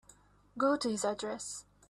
Go to this address.